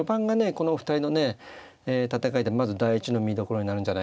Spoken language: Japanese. このお二人の戦いでまず第１の見どころになるんじゃないかなと思いますね。